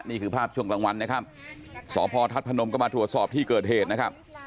นี่คือภาพช่วงกลางวันนะครับสพธาตุพนมก็มาตรวจสอบที่เกิดเหตุนะครับ